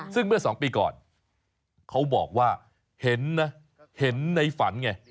ซึ่งเมื่อ๒ปีก่อนเขาบอกว่าเห็นนะเห็นในฝันไง